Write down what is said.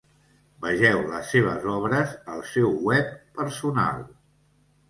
Vegeu les seves obres al seu Web personal.